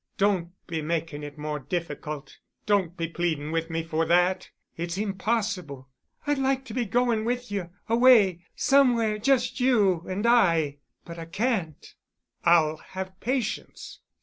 "Don't be making it more difficult—don't be pleading with me for that—it's impossible. I'd like to be going with you—away—somewhere just you and I—but I can't——" "I'll have patience.